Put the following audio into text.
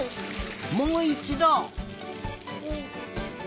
もういちど！